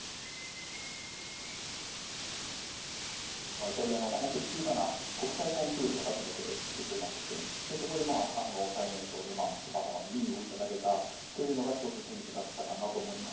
イタリアの本当に小さな国際コンクールを初めて受けましてそこで最年少でたまたま２位を頂けたというのが一つ転機だったかなと思います。